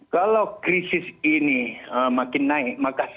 kalau krisis ini makin naik